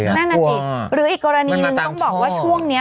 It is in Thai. นั่นน่ะสิหรืออีกกรณีหนึ่งต้องบอกว่าช่วงนี้